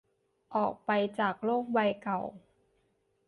ออกไปจากโลกใบเก่า